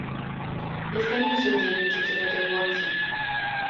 Я стаміўся ўдзельнічаць у гэтай гонцы!